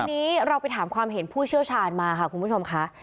วันนี้เราไปถามความเห็นผู้เชี่ยวชาญมาค่ะคุณผู้ชมค่ะ